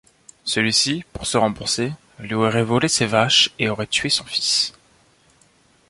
Celui-ci, pour se rembourser, lui aurait volé ses vaches et aurait tué son fils.